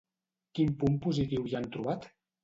Quin punt positiu hi han trobat?